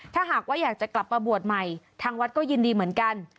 ถ้าหากว่าอยากจะกลับมาบวชใหม่ทางวัดก็ยินดีเหมือนกัน